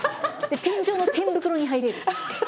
で天井の天袋に入れる。